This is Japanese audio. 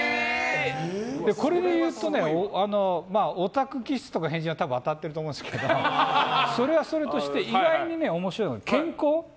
これで言うとオタク気質とか変人は当たってると思うんですけどそれはそれとして意外に面白いのが健康。